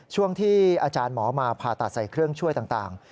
ช่วงที่อาจารย์หมอมาผ่าตัดใส่เครื่องช่วยต่าง